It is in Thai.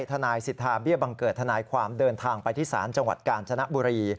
ทนายสิทธาเบี้ยบังเกิดทนายความเดินทางไปที่ศาลจังหวัดกาญจนบุรี